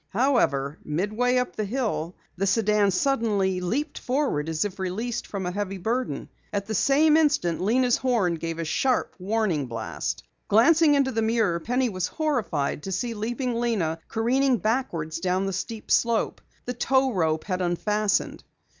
However, midway up the hill the sedan suddenly leaped forward as if released from a heavy burden. At the same instant Lena's horn gave a sharp warning blast. Glancing into the mirror, Penny was horrified to see Leaping Lena careening backwards down the steep slope. The tow rope had unfastened.